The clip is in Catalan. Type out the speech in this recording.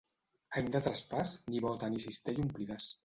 Any de traspàs, ni bota ni cistell ompliràs.